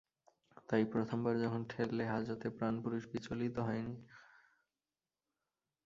তাই প্রথমবার যখন ঠেললে হাজতে, প্রাণপুরুষ বিচলিত হয় নি।